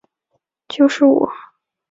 莱丰特内勒人口变化图示